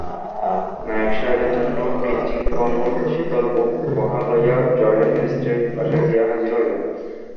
নায়েব সাহেবের জন্য কিঞ্চিৎ ফলমূল শীতলভোগ উপহার লইয়া জয়েন্ট ম্যাজিস্ট্রেটের বাসায় গিয়া হাজির হইলেন।